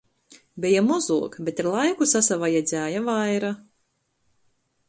Beja mozuok, bet ar laiku sasavajadzēja vaira.